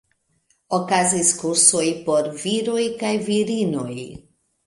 Okazis kursoj por viroj kaj virinoj.